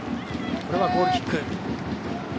これはゴールキック。